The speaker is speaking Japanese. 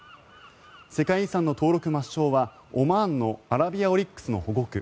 世界遺産の登録抹消はオマーンのアラビアオリックスの保護区